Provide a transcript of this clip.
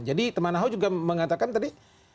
jadi teman ahok juga mengatakan tadi